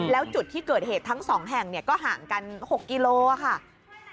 แล้วจุดที่เกิดเหตุทั้ง๒แห่งก็ห่างกัน๖กิโลค่ะ